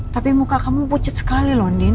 tapi muka kamu pucat sekali lho andien